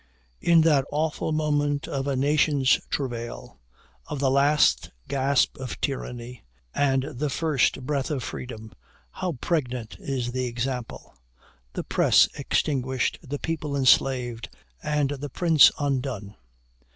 "In that awful moment of a nation's travail, of the last gasp of tyranny, and the first breath of freedom, how pregnant is the example! The press extinguished, the people enslaved, and the prince undone!